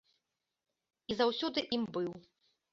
І заўсёды ім быў.